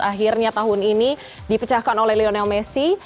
akhirnya tahun ini dipecahkan oleh lionel messi